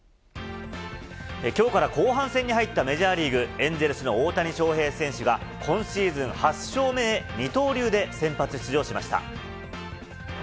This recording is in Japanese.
きょうから後半戦に入ったメジャーリーグ・エンゼルスの大谷翔平選手が、今シーズン８勝目へ、二刀流で先発出場しました。